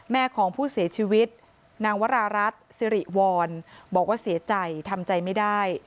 แม่ของผู้เสียชีวิตนางวรารัฐสิริวรบอกว่าเสียใจทำใจไม่ได้